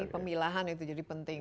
nah ini pemilahan itu jadi penting